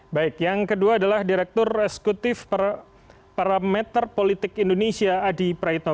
baik yang kedua adalah direktur eksekutif parameter politik indonesia adi praitno